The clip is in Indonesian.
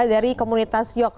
dari komunitas siox